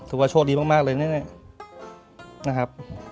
ถือว่าโชว์ดีมากเลยนี่นะครับ